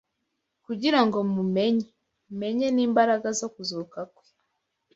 kugira ngo mumenye menye n’imbaraga zo kuzuka kwe